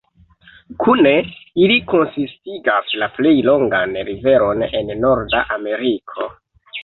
Kune ili konsistigas la plej longan riveron en Norda Ameriko.